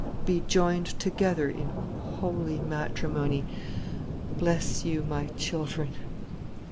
Be joined together in holy matrimony. Bless you, my children!